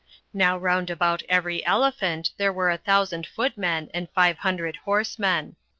Now round about every elephant there were a thousand footmen, and five hundred horsemen.